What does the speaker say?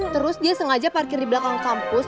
terus dia sengaja parkir dibelakang kampus